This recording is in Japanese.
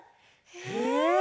へえ！